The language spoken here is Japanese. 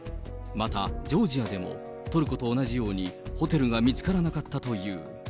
またジョージアでも、トルコと同じようにホテルが見つからなかったという。